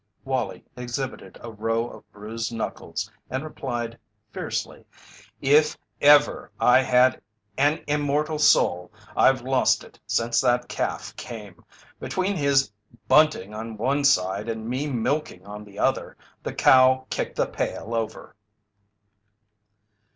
Wallie exhibited a row of bruised knuckles and replied fiercely: "If ever I had an immortal soul I've lost it since that calf came! Between his bunting on one side and me milking on the other, the cow kicked the pail over."